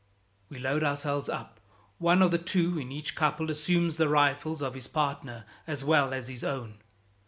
We load ourselves up. One of the two in each couple assumes the rifle of his partner as well as his own.